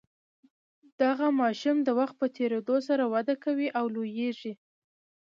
دغه ماشوم د وخت په تیریدو سره وده کوي او لوییږي.